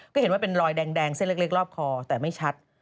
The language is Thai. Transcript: ก็เห็นว่าเป็นรอยแดงเส้นเล็กรอบคอแต่ไม่ชัด